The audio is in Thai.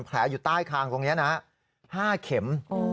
แผลอยู่ใต้คางตรงนี้นะ๕เข็ม